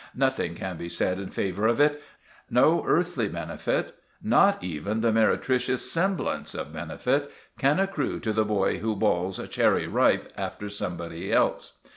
"Nothing can be said in favour of it. No earthly benefit—not even the meretricious semblance of benefit—can accrue to the boy who bawls 'Cherry Ripe!' after somebody else.